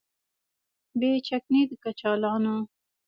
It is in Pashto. بې چکنۍ د کچالانو